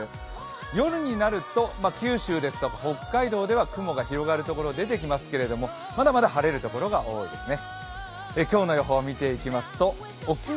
夜になると九州ですとか、北海道では雲が広がるところが出てきますけれども、まだまだ晴れるところが多いですね。